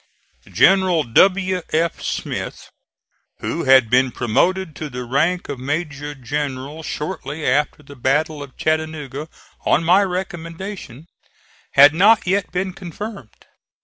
General W. F. Smith, who had been promoted to the rank of major general shortly after the battle of Chattanooga on my recommendation, had not yet been confirmed.